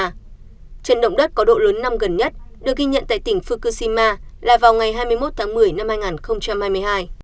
trận động đất có độ lớn năm gần nhất được ghi nhận tại tỉnh fukushima là vào ngày hai mươi một tháng một mươi năm hai nghìn hai mươi hai